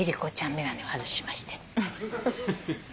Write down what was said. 眼鏡を外しまして。